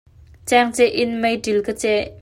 Cengceh in meiṭil ka ceh.